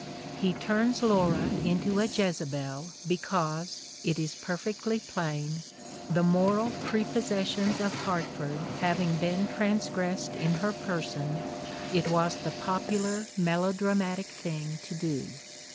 He turns Laura into a Jezebel because, it is perfectly plain, the moral prepossessions of Hartford having been transgressed in her person, it was the popular melodramatic thing to do.